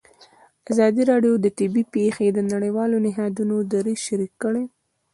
ازادي راډیو د طبیعي پېښې د نړیوالو نهادونو دریځ شریک کړی.